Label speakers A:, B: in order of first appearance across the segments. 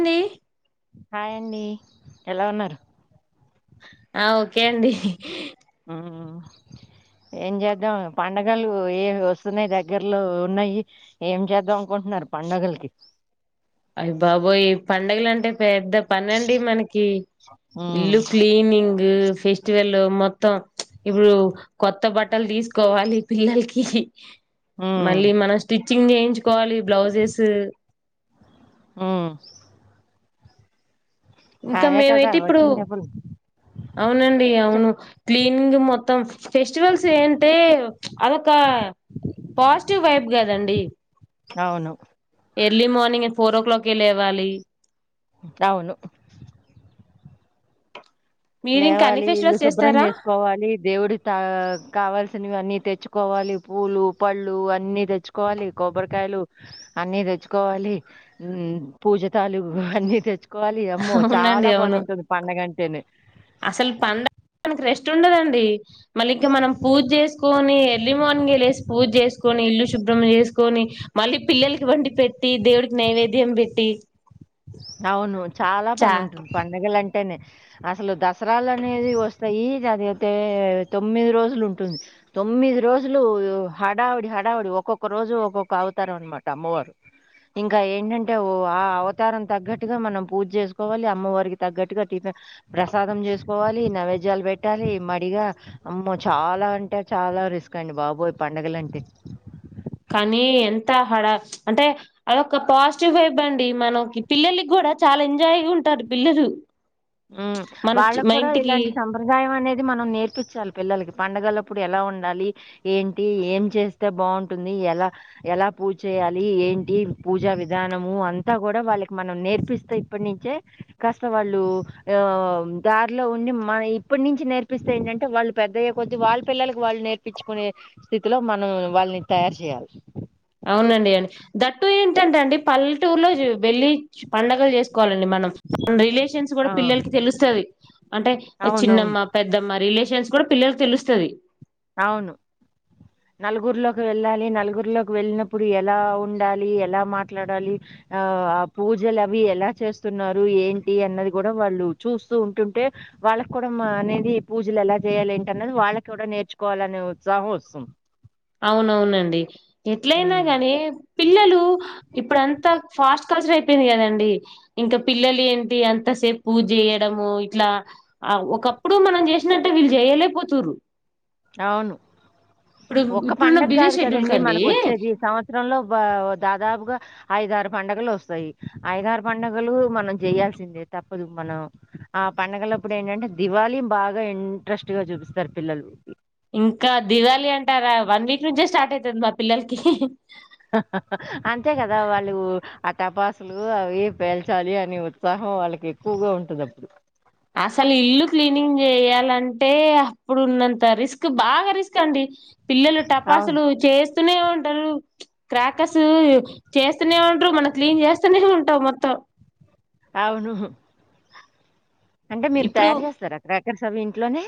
A: అండి
B: హాయ్ అండి ఎలా ఉన్నారు
A: ఆ ఓకే అండి
B: హు ఏం చేద్దాం పండుగలు ఏ వి వస్తున్నాయి దగ్గర్లో ఉన్నాయి ఏం చేద్దాం అనుకుంటున్నారు పండుగలకి
A: అయి బాబోయి పండుగలు అంటే పెద్ద పని అండి మనకి
B: మ్మ్.
A: ఇల్లు క్లీనింగ్ మ్మ్ ఫెస్టివల్ మొత్తం ఇప్పుడు కొత్త బట్టలు తీసుకోవాలి పిల్లలకి
B: మ్మ్.
A: మళ్ళీ మన స్టిచ్ చింగ్ చేయించుకోవాలి బ్లౌజెస్
B: ఆ
A: ఇంకా
B: కదా
A: మేమైతే ఇప్పుడు
B: వచ్చిన డబ్బులు
A: అవునండి
B: చెప్.
A: అవును క్లీనింగ్ మొత్తం ఫెస్టివల్స్ ఏంటే అదొక పాజిటివ్ వైబ్ కదండి
B: అవును
A: early morning four o'clock ఏ లేవాలి
B: అవును
A: మీరు ఇంకా అన్ని
B: లేవాలి ఇల్లు
A: ఫెస్టివల్స్
B: శుభ్రం
A: చేస్తారా
B: చేసుకోవాలి దేవుడి త కావాల్సినవన్నీ తెచ్చు కోవాలి పూలు పళ్ళు అన్ని తెచ్చుకోవాలి, కొబ్బరికాయలు అన్ని తెచ్చుకోవాలి, ఉమ్మ్ పూజ తాలూకు అన్ని తెచ్చుకో కోవలి అమ్మో చాలా
A: అవునండి
B: పని
A: అవును
B: ఉంటుంది పండగంటేనే
A: అసలు పండగ మనకి రెస్ట్ ఉండదండి మళ్ళీ ఇంకా మనం పూజ చేసుకొని ఎర్లీ మార్నింగ్ లేసి పూజ చేసుకొని ఇల్లు శుభ్రం చేసుకొని మళ్ళీ పిల్లలకి వండి పెట్టి దేవుడికి నైవేద్యం పెట్టి
B: అవును చాలా
A: చా
B: పని ఉంటుంది పండగలు అంటే అంటేనే అసలు దసరాలానేవీ వస్తయీ జరిగితే తొమ్మిది రోజులుంటుంది తొమ్మిది రోజులూ హడావిడి హడావిడీ ఒక్కొక్క రోజు ఒక్కొక్క అవతారం అనమాట అమ్మవారు ఇంకా ఏంటంటే ఓ ఆహ్ అవతారం తగ్గట్టుగా మనం పూజ్జేసుకోవాలీ అమ్మవారికి తగ్గట్టుగా టిఫె ప్రసాదం జేసుకోవాలీ నైవేద్యాలు పెట్టాలీ మడిగా అమ్మో చాలా అంటే చాలా రిస్క్ అండి బాబోయ్ పండగలంటే
A: కానీ ఎంత హడా అంటే అదొక పాజిటివ్ వైబ్ అండీ మనక్ పిల్లలకి గూడా చాలా ఎంజాయ్ గా ఉంటారు పిల్లలు
B: ఉమ్మ్
A: మన మా
B: వాళ్లక్కూడా
A: ఇంటికి
B: ఇలాంటి సంప్రదాయం అనేది మనం నేర్పిచ్చాలి పిల్లలకి పంండగలప్పుడు ఎలా ఉండాలి ఏంటి ఏం చేస్తే బావుంటుందీ ఎలా ఎలా పూచ్చేయాలీ ఏంటి పూజా విధానమూ అంతా గూడా వాళ్ళకి మనం నేర్పిస్తే ఇప్పట్నుంచే కాస్త వాల్లూ ఆ దారిలో ఉండి మన ఇప్పటి నుంచి నేర్పిస్తే ఏంటంటే వాళ్ళు పెద్దయ్యే కొద్దిీ వాళ్ళ పిల్లలలకు వాళ్ళు నేర్పించుకునే స్థితిలో మనం వాళ్ళని తయారు చేయాలి
A: అవునండి అండి దట్టు ఏంటంటే అండి పల్లెటూరులో వెళ్లి పండగలు చేసు కోవాలి అండి మనం రిలేషన్స్ కూడా
B: ఆ!
A: పిల్లల తెలుస్తది అంటే
B: అవునవును.
A: చిన్నమ్మ, పెద్దమ్మ జెన్స్ కూడా పిల్లలకు తెలుస్తది
B: అవును నలుగురిలోకి వెళ్ళాలి నలుగురిలోకి వెళ్ళినప్పుడు ఎలా ఉండాలి ఎలా మాట్లాడాలి ఆ ఆ పూజలు అవి ఎలా చేస్తున్నారు ఏంటి అన్నది కూడా వాళ్ళు చూస్తూ ఉంటుంటే వాళ్ళకి కూడ అనేది పూజలు ఎలా చేయాలి ఏంటి అన్నది వాళ్ళకి కూడా నేర్చు కొలనే ఉచ్చాహం వస్తుంది
A: అవునవునండి ఎట్లయినా
B: హ్మ్.
A: గాని పిల్లలు ఇప్పుడు అంత ఫాస్ట్ కల్చర్ అయిపోయింది కదండి ఇంకా పిల్లలు ఏంటి అంతసేపూ చేయడము ఇట్లా ఒకప్పుడు మనం చేసినట్టే వీళ్ళు చేయలేక పోతుర్రు
B: అవును ఒక్క
A: ఇప్పుడున్న
B: పండగ
A: బిజీ
B: కాదు
A: షెడ్యూల్
B: కదండి
A: కండి
B: మనకు వచ్చేది సంవత్సరంలో బా దాదాపుగా ఐదారుపండగలు వస్తాయ్ ఐద్దరుపండగలూ మనం చేయయాల్సిందే తప్పదు మనం ఆ పండగలప్పుడు ఏంటంటే దివాళి బాగా ఇంట్రెస్టుగా చూపిస్తారు పిల్లలు
A: ఇంకా దివళి అంటారా వన్ వీక్ నుంచే స్టార్ట్ అవుతుంది మా పిల్లలకి
B: అహహహ అంతే కదా వాళ్ళు ఆ టపాసులు అవి పేల్చాలి అనే ఉత్సాహం వాళ్ళకి ఎక్కువగా ఉంటుంది అప్పుడు
A: అసలు ఇల్లు క్లీనింగ్ చేయాలంటే అప్పుడు ఉన్నంత రిస్క్ బాగా రిస్క్ అండి పిల్లలు
B: అవును.
A: టపాసులు చేస్త్ వస్తూనే ఉంటారు క్రాకర్స్ చేస్తూనే ఉంటారు మనం క్లీన్ చేస్తూనే ఉంటావు మొత్తం
B: అవును అంటే మీరు
A: ఇప్పుడు
B: తయారు చేస్తారు అక్కడ ఎ స అవి ఇంట్లోనే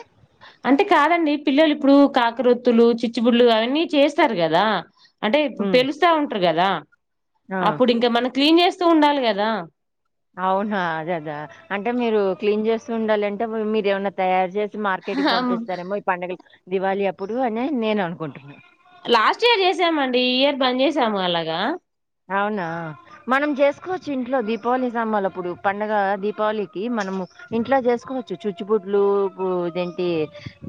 A: అంటే కాదండి పిల్లలు ఇప్పుడు కాకరొత్తులు చిచ్చుబుడ్ళలు అవన్నీ చేస్తారు కదా అంటే ఇప్పుడు
B: హ్మ్.
A: పెలుస్తా ఉంటారు కదా
B: ఆ!
A: అప్పుడు ఇంకా మనం క్లీన్ చేస్త స్తూ ఉండాలి కదా
B: అవునా అదే అదా అంటే మీరు క్లీన్ చేస్త ఉండాలింటే మీరు ఏమైన్నా తయారు చేస్త మార్కెట్కి పంపిస్తారేమో ఈ పండుగ దివాళి అప్పుడు అని నేను అనుకుంటున్నాను
A: లాస్ట్ ఇయర్ చేసామండి ఈ ఇయర్ బంజేసాము అలాగా
B: అవునా మనం చేసుకోవచ్చు ఇంట్లో దీపావళి సామాన్లు ఇప్పుడు పండుగ దీపావళికి మనము ఇంట్లో చేసుకోవచ్చు చుచ్చుపుుడ్లు ఇదేంటి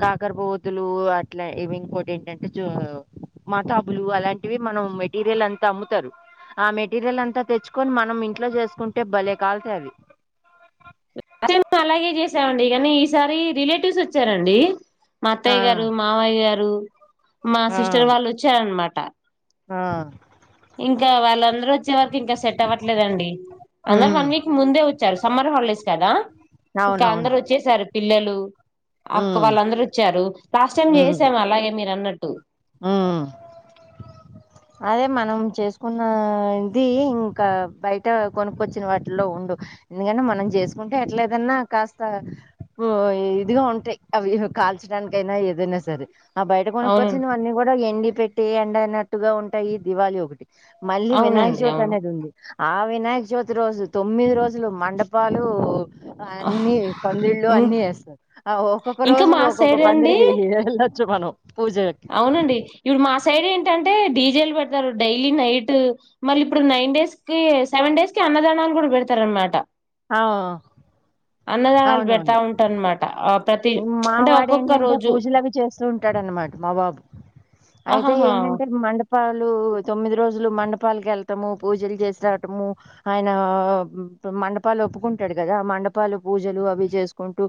B: కాకరపువోతులు అట్లా ఇవి ఇంకోటి ఏంటంటే చ మతాపులు అలాంటివి మనం మెటీరియల్ అంతా అమ్ముతారు ఆ మెటీరియల్ అంతా తెచ్చుకొని మనం ఇంట్లో చేసుకుంటే భలే కాలుతాయి అవి
A: ప్రత అలాగే చేసామండి కానీ ఈసారి రిలేటివ్స్ వచ్చారండి మా
B: ఆ!
A: అత్తయ్య గారు మావయ్య గారు మా
B: ఆ!
A: సిస్టర్ వాళ్ళు వచ్చార అనమాట ప
B: ఆ
A: ఇంకా వాళ్ళందరూ వచ్చే వరకు ఇంకా సట్ అవ్వలేదండి అందరూ
B: హ్మ్.
A: వన్ వీక్ ముందే వచ్చారు సమ్మర్ హాలిడేస్ అ ఇంకా
B: అవునవును.
A: అందరు వచ్చేసారు పిల్లలు అక్క
B: హ్మ్.
A: వాళ్ళందరూ వచ్చారు లాస్ట్ టైమ్ చేసాం అలాగే మీరు అన్నట్టు హు
B: ఉమ్ అదే మనం చేసుకున్నాది ఇంకా బయట కొనుక్కొచ్చిన వాటిలో ఉండవ్ ఎందుకంటే మనం చేసుకుంటే ఎట్లేదన్నా కాస్త మ్ ఇదిగా ఉంటాయి అవి కాల్చడానికైనా ఏదైనా సరే ఆ బయట కొనుక్
A: అవునండి
B: చేసినవన్నీ కూడా ఎన్డి పెట్టి ఎండ అనట్టుగా ఉంటాయి దివాళి ఒకటి మళ్ళీ వినాయక
A: అవునండి
B: చవితి
A: అవును
B: అనేది ఉంది ఆ వినాయక చవితి రోజు తొమ్మిది రోజులు మండపాలు అన్ని పందిళ్ళలు అన్నీ వెస్తారు. ఆ ఒక్కొక్క
A: ఇంకా
B: రోజు
A: మా
B: ఒక్కొక్క
A: సైడ్ అండి
B: పందిరికి వెళ శివుని పూజ
A: అవునండి ఇప్పుడు మా సైడ్ ఏంటంటే డీజేలు పెడతారు డైలీ నైట్ మళ్ళీ ఇప్పుడు నైన్ డేస్ కి సెవెన్ డేస్ కి అన్నదానాలు కూడా పెడతారు అనమాట
B: హౌ
A: అన్నదానాలు పెడతా ఉంటానమాట
B: మా వాడు ఏంటంటే పూజలు అవి చేస్తూ ఉంటాడు అన్నమాట మా బాబు అయితే
A: ఆహాహా
B: ఏంటంటే మండప మపాలు తొమ్మిది రోజులు మండపాలకు వెళ్ళటము పూజలు చేసి రావటము ఆయన మండపాలు ఒప్పుకుంటాడు కదా ఆ మండపాలు పూజలు అవి చేసుకుంటూ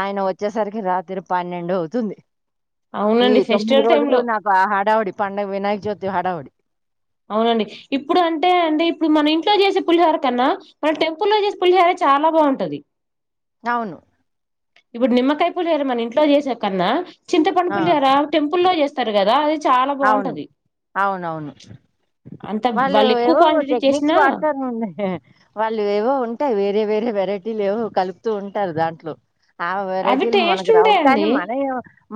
B: ఆయన వ వచ్చేసరికి రాత్రి పన్నెండు అవుతుంది ఈ
A: అవునండి
B: తొమ్మిది
A: ఫెస్టివల్ టైమ్
B: రోజులు
A: లో
B: నాకు ఆ హడావుడి పంండగ వినాయక చవితి హడావిడి
A: అవునండి ఇప్పుడు అంటే అంటే ఇప్పుడు మన ఇంట్లో చేసే పులిహోర కన్నా మన టెంపుల్ల్లో చేసే పులిహోర చాలా బాగుంటది
B: అవును
A: ఇప్పుడు నిమ్మకాయ పులిహోర మన ఇంట్లో చేసే కన్నా చింతపండు
B: ఆ!
A: పులిహోర టెంపుల్ల్లో చేస్త త్తరు కదా అది చాలా
B: అవును
A: బాగుంటది
B: అవునవును
A: అంత
B: వాళ్ళు
A: ఎక్కువ
B: ఏవో
A: క్వాంటిటీ
B: టెక్నిక్స్
A: చేసినా
B: వాడతారు వాళ్ళు ఏవో ఉంటాయి వేరే వేరే వెరైటీ వ లేవో కలుపుతూ ఉంటారు దాంట్లో ఆ
A: అవి
B: వెరైటీలు మనకు
A: టేస్ట్
B: రావు కానీ
A: ఉంటాయండి
B: మనం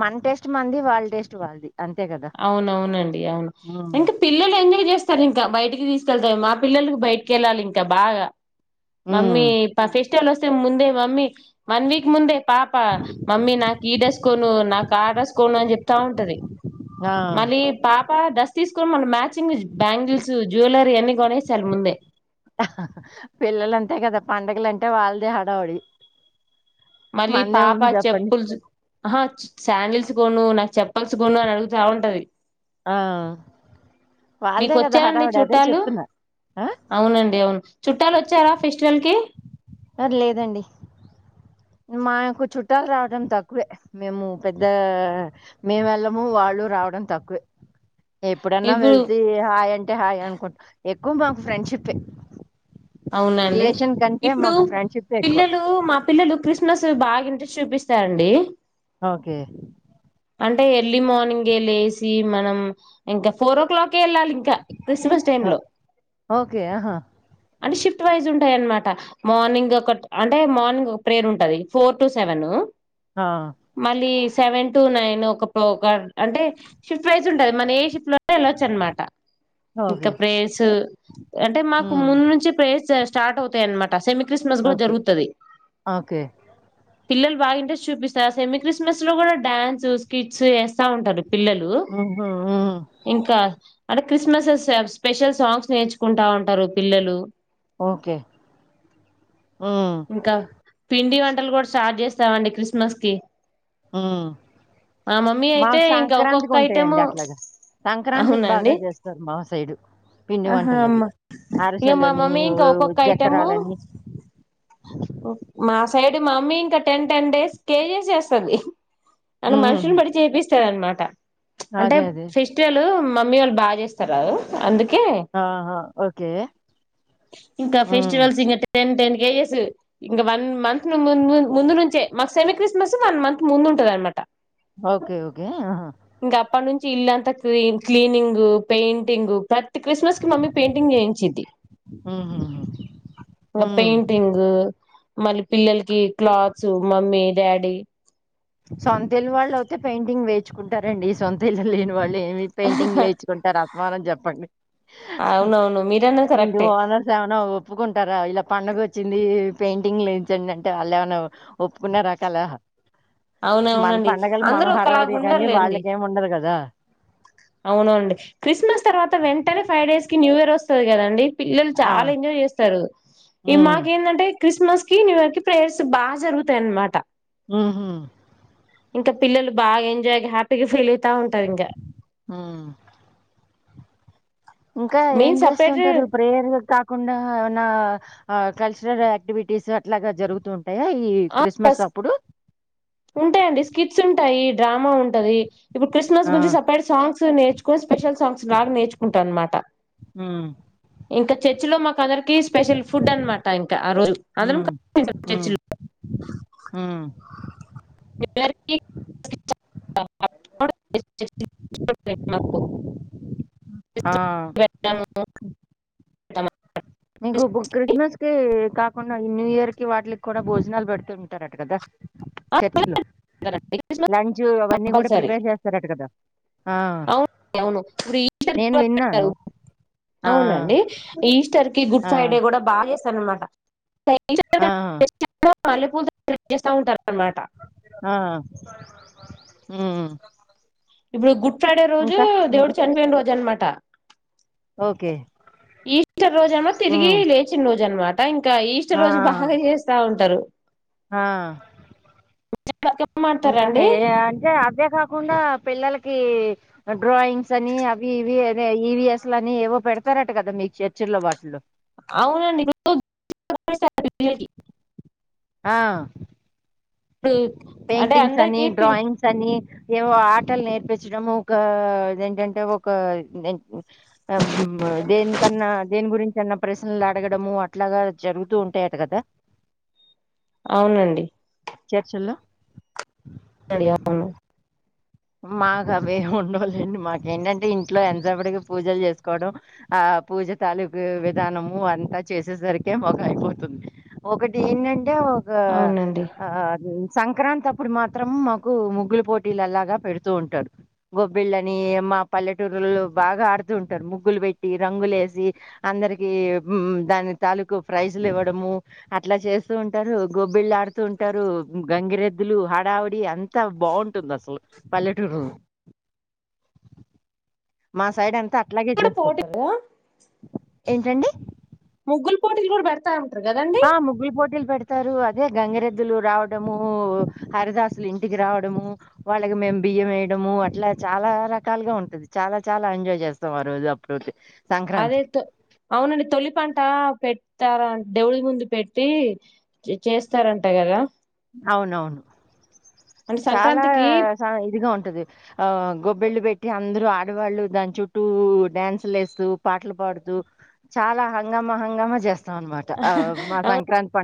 B: మన టేస్ట్ మనది వాళ్ళ టేస్ట్ వాళ్ళది అంతే కదా
A: అవున్ అవునండి అవును
B: ఉమ్
A: ఇంకా పిల్లలు ఎంజాయ్ చేస్తారు ఇంకా బయటికి తీసు కెళ్తె మా పిల్లలకి బయటకి వెళ్లాలి ఇంకా బాగా
B: ఉమ్,
A: మమ్మీ ప ఫెస్టివల్ వస్త ముందే మమ్మీ వన్ వీక్ ముందే పాప మమ్మీ నాకు ఈడెసుకొను నాకు క డ్రెస్సు కొను అని చెప్తా ఉంటది
B: ఆ
A: మళ్ళీ పాప డ్రస్ తీసుకొని మనం మ్యాచింగ్ బ్యాంగిల్స్ జ్యవలరీ అన్ని కొనేసారు ముందే
B: పిల్లలంతే కదా పండగలంటే వాళ్ళదే హడవుడి
A: మళ్ళీ పాప చప్పుల్స్ ఆహా శాండిల్స్ కూడా నువ్ నాకు చెప్పల్స్ కొను అని అడుగుతా ఉంటది
B: ఆ
A: మీకు
B: వాళ్ళదే కదా
A: వచ్చారండి
B: హడావుడి అదే
A: చుట్టాలు
B: చెప్తున్నా ఆ
A: అవునండి అవును చుట్టాలు వచ్చారా ఫెస్టివల్ కి
B: అర్ లేదండి మాకు చుట్టాలు రావడం తక్కువే మేము పెద్ద మేము వెళ్ళము వాళ్ళు రావడం తక్కువే ఎప్పుడన్నా
A: ఇప్పుడు
B: వెళ్తే హాయ్ అంటే హాయ్ అనుకుంటా ఎక్కువ బం ఫ్రెండ్షిప్యే
A: అవునండి ఇప్పుడు
B: మాకు ఫ్రెండ్షిప్ ఎక్కువ
A: పిల్లలు మా పిల్లలు ల్లలు క్రిస్మస్ బాగా ఇంట్రే చూపిస్తాండీ
B: ఓకే
A: అంటే ఎర్లీ మార్నింగ్ ఏ లేసి మనం. ఇంకా ఫోరో క్లాకేళ్ళాలి ఇన్ క క్రిస్మస్ టైమ్
B: ఆ!
A: లో
B: ఓకే ఆహా
A: అంటే షిఫ్ట్ వైజ్ ఉంటాయన్మాట. మార్నింగ్ ఒకట్ అంటే మార్నింగ్ ఒక ప్రేర్ ఉంటది. ఫోర్ టు సెవెన్
B: ఆ
A: మళ్ళీ సెవెన్ టు నైన్ ఒక ప్రోకర్ అంటే షిఫ్ట్ వైజుంటది. మన ఏ షిఫ్ట్లోన్న వెళ్ళొచ్చనమాట ఇంకా
B: ఓకే
A: ప్రేర్స్ అంటే మాకు
B: హ్మ్
A: ముందుం చే స్టార్ట్ అవుతయన్మాట ట సెమీ క్రిస్మస్ గు
B: ఓకే
A: జరుగుతది
B: ఓకే
A: పిల్లలు బాగా ఇంట్రెస్ట్ చూపిస్తారు. సెమీ క్రిస్మస్ లో గూడా డాన్స్, స్కిట్స్ ఏస్తా ఉంటారు పిల్లలు
B: ఉహూ హ్మ్
A: ఇంకా అంటే క్రిస్మసేస్ స్పెషల్ సాంగ్స్ నేర్చుకుంటా ఉంటారు పిల్లలు
B: ఓకే హ్మ్
A: ఇంకా పిండి వంటలు గూడ్ స్టార్ట్ జేస్తామండి క్రిస్మస్ కి
B: హ్మ్
A: మా మమ్మీ అయితే
B: మాక్
A: ఇంకా ఒక్కొక్క
B: సంక్రాంతికి
A: ఐటము
B: ఉంటాయండి అట్లాగా సంక్రాంతికి
A: అవునండి
B: బాగా చేస్తారు మా సైడు పిండి
A: ఆహా
B: వంటలు అవి
A: మా ఇగ మా
B: అరిసెలని
A: మమ్మీ ఇంకా ఒక్కొక్క ఐటమ్ము
B: చక్కరాలని
A: మాస్ సైడ్ మమ్మీ ఇంకా టెన్ టెన్ డేస్ కేజీస్ చేస్తుంది అను
B: హ్మ్
A: మనుషుని బటి చెపిస్తదన్మట ట అంటే
B: అదే అదే
A: ఫెస్టివలు మమ్మీవాళ్ళు బాజేస్తారు అందుక్ కే
B: ఆహా ఓకే
A: ఇంక
B: హ్మ్
A: ఫెస్టివల్స్ ఇంగా టెన్ టెన్ కేజస్ ఇంకా వన్ మంత్ ను ముంద్ ముంద్ ముందునుంచే. మాకు సెమీ క్రిస్మస్ వన్ మంత్ ముందు ఉంటదనమాట
B: ఓకే ఓకే ఆహా
A: చి ఇల్లంతా క్లి క్లీనింగు, పెయింటింగు ప్రత్ తి క్రిస్మస్ కి మమ్మీ పెయింటింగ్ జేయించిది.
B: హ్మ్ హ్మ్
A: ఇంగ
B: హ్మ్
A: పెయింటింగ్ మళ్ళీ పిల్లలకి క్లాత్స్ మమ్మీ డాడీ
B: సొంత ఇల్లవాళ్ళు అవతే పెయింటింగ్ వేచుకుంటారండి. ఈ సొంత ఇల్లు లేని వాళ్ లేమి పెయింటింగ్లేర్చుకుంటార వరన్ జెప్పండి
A: అవునవును మీరన్నది
B: ఇంటి
A: కరెక్టే
B: ఓనర్స్ ఏమన్నా ఒప్పుకుంటారా. ఇలా పండుగోచ్చింది పెయింటింగ్లేయించండి అంటే వాళ్ళేమన్నా ఒప్పుకున్నే రకాల
A: అవున అవునండి అందరూ ఒకలాగు
B: గానీ
A: ఉండరులేండి
B: వాళ్ళకేమి ఉండదు కదా!
A: అవునండి క్రిస్మస్ తర్వాత వెంటనే ఫైవ్ డేస్ కి న్యూ ఇయర్ వస్తాది కదండి పిల్లలు
B: ఆ!
A: చాలా ఎంజాయ్ చేస్తారు ఈ
B: హ్మ్.
A: మాకేందంటే క్రిస్మస్ కి న్యూ ఇయర్ కి ప్రేయర్స్ బాగా జరుగుతాయన్నమాట
B: మ్మ్ హూ
A: ఇంకా పిల్లలు బాగా ఎంజాయ్ గా హ్యాపీగా ఫీల్ టా ఉంటామింకా
B: హ్మ్. ఇంకా ఏం
A: సపరేట్
B: చేస్తుంటారు ప్రేయర్ కాకుండా ఏ నా ఆ కల్చరల్ యాక్టివిటీస్ అట్లాగా జరుగుతుం
A: ఆ ఎస్ ఉంటాయండి, స్కిట్స్ ఉంటాయి. డ్రామా ఉంటది, ఇప్పుడు క్రిస్మస్
B: ఆ!
A: గురించి సపరేట్ సాంగ్స్ నేర్చుకొని స్పెషల్ సాంగ్స్ లాగా నేర్చుకుంటాా అనమాట
B: హ్మ్.
A: ఇంకా ర్చ్ లో మాకందర్ కి స్పెషల్ ఫుడ్ అనమాట ఇంకా ఆ రోజు అందరం కలిసి తింటాం చర్చ్ లో
B: ఆ
A: [inaudible]
B: ఆ
A: [unintelligible]
B: ఇంకొక క్రిస్మస్ కి కాకుండా ఈ న్యూ ఇయర్ కి వాటికి కూడా భోజనాలు పెడుతు, ఉంటారట కదా చర్చ్ లో
A: క్రిస్మస్
B: లంచ్ అవన్నీ కూడా
A: కంపల్సరీ
B: ప్రిపేర్ చేస్తారట, కదా ఆ
A: అవును అవును ఇప్పుడు ఈస్టర్
B: నేను
A: కూడా
B: విన్నాను,
A: పెట్టారు
B: ఆ
A: అవునండి ఈస్టర్ కి గుడ్
B: ఆ
A: ఫ్రైడే కూడా బా సనమాట
B: ఆ
A: [unintelligible] రి సౌండ్
B: ఆ హ్మ్
A: ఇప్పుడు గుడ్ గుడ్ ఫ్రైడే రోజు దేవుడు చనిపోయిన, రోజు అనమాట
B: ఓకే
A: ఈస్టర్ రోజు ఏమో, తిరిగి
B: ఉమ్
A: లేచిన రోజు అనమాట టా ఇన్ ఇంకా ఈస్టర్, రోజు బాగా చేస్తా ఉంటారు.
B: హా
A: బతుకమ్మ
B: ఇంక హై
A: ఆడతారండి
B: అంతే అదే కాకుండా పిల్లలకి డ్రాయింగ్స్ అని, అవి ఇవి ఈవిఎస్ అని ఏవో పెడతారట కదా మీకు చర్చల బట్లు
A: అవునండి [unintelligible]
B: ఆ
A: ఇప్పుడు అంటే
B: పేయింటింగ్స్ అని
A: అందరికి
B: డ్రయింగ్స్ అని ఏవో ఆటలు నేర్పించడము ఒక దఏంటంటే ఒక దేనికన్నా దేని గురించి అన్న ప్రశ్నలు అడగడము, అట్లాగా జరుగుతూ ఉంటాయట కదా
A: అవునండి
B: చర్చల్లో
A: అవునండి అవును
B: మాకు అవే ఉండవూలెండి మాకెటంటే ఇంట్లో ఎంతసేపటికి పూజలు చేసుకోవడం, ఆ పూజ తాలూకు విధానము అంతా చేసేసరికి మాకు అయిపోతుంది ఒకటి ఏంటంటే టే ఒక
A: అవునండి
B: ఆది సంక్రాంతి అప్పుడు మాత్రం మాకు ముగ్గులు పోటీలు అలాగా పెడుతూ ఉంటారు, గొబ్బిళ్ళని మా పల్లెటూరులో బాగా ఆడుతూ ఉంటారు, ముగ్గులు పెట్టి రంగులే వేసి అందరికి దాని తాలూకు ప్రైజ్లు ఇవ్వడము అట్లా చేస్తూ ఉంటారు, గొబ్బిళ్ళు ఆడుతూ ఉంటారు, గంగిరెద్దులు హడావుడి అంతా బాగుంటుంది అసలు పల్లెటూరు మా సైడ్ అంత లగేజ్
A: కూడా
B: జేస్కొ
A: పోటీ కదా
B: ఏంటండి
A: ముగ్గుల్ పోటిది గుడ బెడ్తర
B: ఆ ముగ్గుల్ పోటీలు పెడతారు అదే గంగరెద్ లు రావడమూ హరిదాసులు ఇంటికి రావడము వాళ్ళకి మేము బియ్యము వేయడము అట్ల చాలా రకాలుగా ఉంటుంది చాలా చాలా ఎంజాయ్ జేస్తం ఆ రోజు అప్పుడతే
A: అదే త అవునండి తొలిపంట పెట్ ఇస్తారా దేవుళ ముందు పెట్టి చేస్తారంట కదా
B: అవునవును
A: అంటే
B: చాలా
A: సంక్రాంతికి
B: ఇదిగా ఉంటుంది ఉంటది గొబ్బెళ్ళు పెట్టి అందరు ఆడవాళ్ళు దాని చుట్టూ డ్యాన్సులు యేస్తూ పాటలు పాడుతూ చాలా హంగామా హంగామా చేస్త అన్నమాట మా
A: అవును
B: సంక్రాంతి పండ